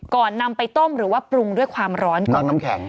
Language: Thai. นำไปต้มหรือว่าปรุงด้วยความร้อนก่อนน้ำแข็ง